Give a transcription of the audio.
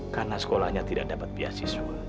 karena sekolahnya tidak dapat biasiswa